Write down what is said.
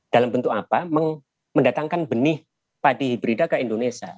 dalam bentuk apa mendatangkan benih padi hibrida ke indonesia